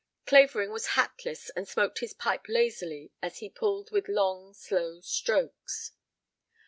Clavering was hatless and smoked his pipe lazily as he pulled with long slow strokes.